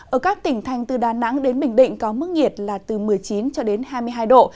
ở các tỉnh thành từ đà nẵng đến bình định có mức nhiệt là từ một mươi chín cho đến hai mươi hai độ